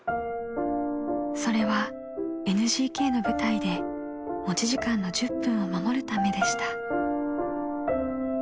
［それはＮＧＫの舞台で持ち時間の１０分を守るためでした］